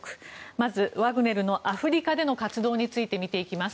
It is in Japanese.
まず、ワグネルのアフリカでの活動について見ていきます。